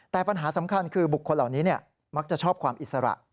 แต่ปัญหาสำคัญคือบุคคลเหล่านี้มักจะชอบความอิสระ